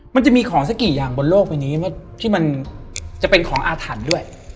มันจะมีของสักกี่อย่างบนโลกใบนี้ที่มันจะเป็นของอาถรรพ์ด้วย